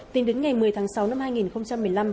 tính đến ngày một mươi tháng sáu năm hai nghìn một mươi năm